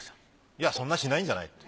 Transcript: いやそんなしないんじゃない。